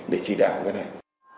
để chỉ đạo cái này